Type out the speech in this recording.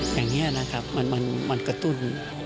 อย่างนี้นะครับมันกระตุ้น